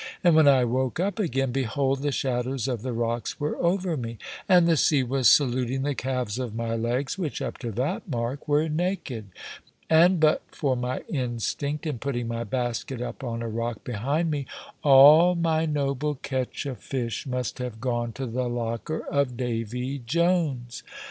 And when I woke up again, behold, the shadows of the rocks were over me, and the sea was saluting the calves of my legs, which up to that mark were naked; and but for my instinct in putting my basket up on a rock behind me, all my noble catch of fish must have gone to the locker of Davy Jones.